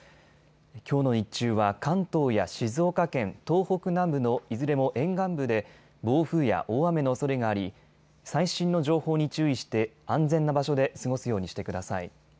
きょうの日中は関東や静岡県、東北南部のいずれも沿岸部で暴風や大雨のおそれがあり最新の情報に注意して安全な場所で過ごすようにしてください。